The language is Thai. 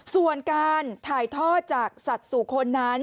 ส่วนการถ่ายทอดจากสัตว์สู่คนนั้น